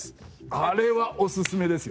あれはおすすめですよ。